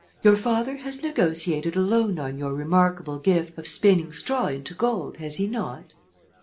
Your father has negotiated a loan on your remarkable gift of spinning straw into gold, has he not?"